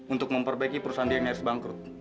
untuk memperbaiki perusahaan dia yang nyaris bangkrut